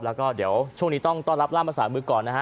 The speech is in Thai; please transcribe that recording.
แล้วก็เดี๋ยวช่วงนี้ต้องต้อนรับร่ามภาษามือก่อนนะฮะ